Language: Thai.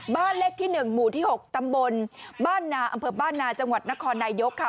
บ้านเลขที่๑หมู่ที่๖ตำบลบ้านนาอำเภอบ้านนาจังหวัดนครนายกค่ะ